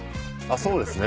そうですね。